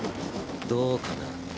どうかな。